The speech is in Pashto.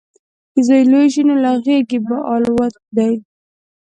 چې زوی لوی شي، نو له غیږې په الوت دی